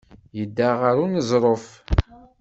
Yedda ɣer uneẓruf.